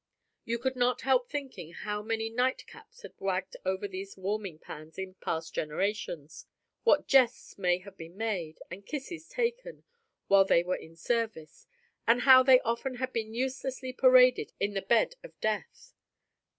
You could not help thinking how many night caps had wagged over these warming pans in past generations; what jests may have been made, and kisses taken, while they were in service; and how often they had been uselessly paraded in the bed of death.